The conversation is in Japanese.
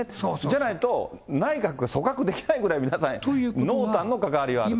じゃないと、内閣が組閣できないぐらい皆さん濃淡の関わりはあると。